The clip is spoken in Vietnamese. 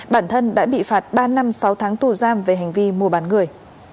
bản thân đã bị phạt ba năm sáu tháng tù giam về hành vi mua bán người